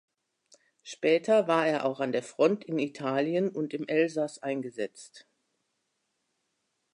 Später war er auch an der Front in Italien und im Elsass eingesetzt.